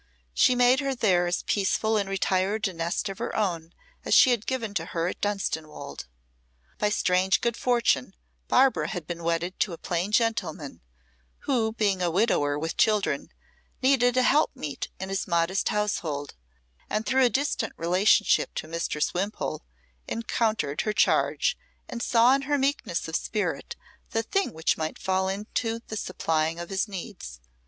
She made her there as peaceful and retired a nest of her own as she had given to her at Dunstanwolde. By strange good fortune Barbara had been wedded to a plain gentleman, who, being a widower with children, needed a help meet in his modest household, and through a distant relationship to Mistress Wimpole, encountered her charge, and saw in her meekness of spirit the thing which might fall into the supplying of his needs.